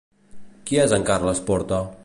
Qui és en Carles Porta?